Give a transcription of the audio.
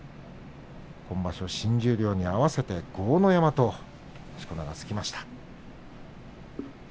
今場所、新十両に合わせて豪ノ山としこ名が付きました。